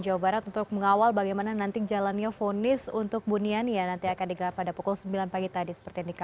jawa barat untuk mengawal bagaimana nanti jalannya vonis untuk buniani yang nanti akan digelar pada pukul sembilan pagi tadi seperti